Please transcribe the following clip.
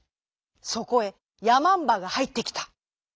そこへやまんばがはいってきた。